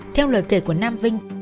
theo lời kể của nam vinh